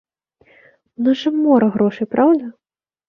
У нас жа мора грошай, праўда?